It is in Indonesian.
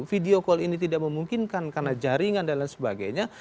video call ini tidak memungkinkan karena jaringan dan lain sebagainya